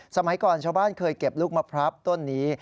สมัยก่อนชาวบ้านเคยเก็บลูกมะพร้าวต้นนี้